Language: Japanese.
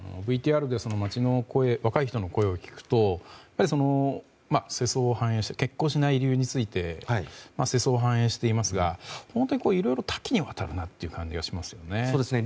ＶＴＲで街の声、若い人の声を聞くと結婚しない理由について世相を反映していますがいろいろ多岐にわたるなという感じがしますね。